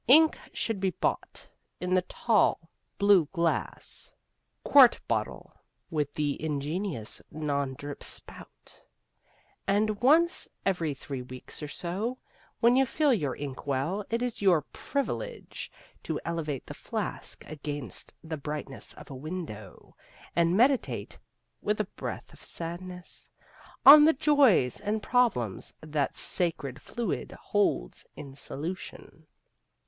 Ink should be bought in the tall, blue glass, quart bottle (with the ingenious non drip spout), and once every three weeks or so, when you fill your ink well, it is your privilege to elevate the flask against the brightness of a window, and meditate (with a breath of sadness) on the joys and problems that sacred fluid holds in solution.